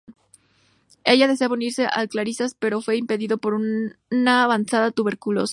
Ella deseaba unirse a las Clarisas, pero fue impedido por una avanzada tuberculosis.